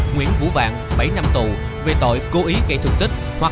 nguyễn vũ vạn bảy năm tù về tội cố ý gây thương tích